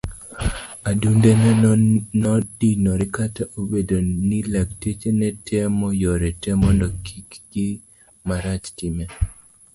Adundone nodinore kata obedo ni lakteche netemo yore te mondo kik gimarach time.